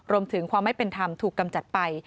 รวมถึงความไม่เป็นธรรมถูกกำจัดไป